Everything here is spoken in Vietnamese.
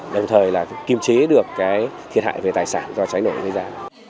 đồng thời kiềm chế được thiệt hại về tài sản do cháy nổi ra